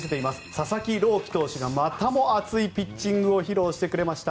佐々木朗希投手がまたも熱いピッチングを披露してくれました。